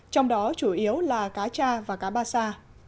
trong đó chủ yếu là cá cha và cá ba sa